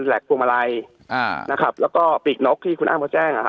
แหลกปวงมาลัยนะครับแล้วก็ปลีกนกที่คุณอ้านก็แจ้ง